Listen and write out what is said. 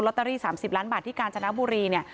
เตอรี่๓๐ล้านบาทที่กาญจนบุรีเนี่ย